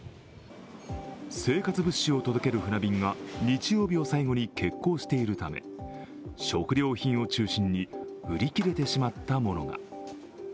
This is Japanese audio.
生活物資を届ける船便が日曜日を最後に欠航しているため、食料品を中心に売り切れてしまったものが。